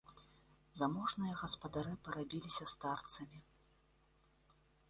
Заможныя гаспадары парабіліся старцамі.